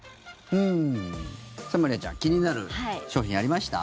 さあ、まりあちゃん気になる商品ありました？